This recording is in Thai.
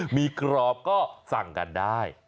มีกรอบก็สั่งกันได้